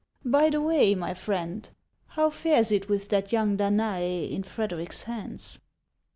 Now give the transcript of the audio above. By the way, my friend, how fares it with that young Danae in Frederic's hands